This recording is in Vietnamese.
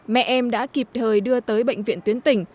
mẹ em đã kịp thời đưa tới bệnh viện tuyến tỉnh